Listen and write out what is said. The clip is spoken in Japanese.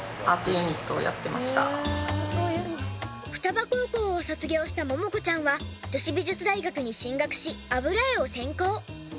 雙葉高校を卒業した桃子ちゃんは女子美術大学に進学し油絵を専攻。